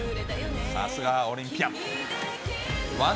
さすがはオリンピアン。